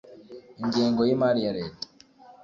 Ingengo y'imari ya leta